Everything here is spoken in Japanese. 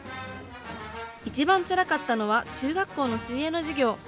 一番つらかったのは中学校の水泳の授業。